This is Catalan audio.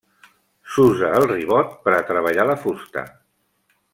S'usa el ribot per a treballar la fusta.